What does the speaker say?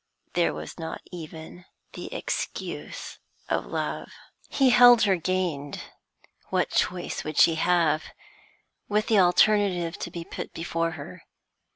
There was not even the excuse of love. He held her gained. What choice would she have, with the alternative to be put before her?